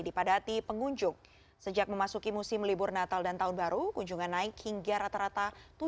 dipadati pengunjung sejak memasuki musim libur natal dan tahun baru kunjungan naik hingga rata rata